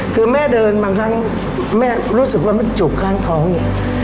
คือแม่เดินบางครั้งแม่รู้สึกว่ามันจุกข้างท้องเนี่ย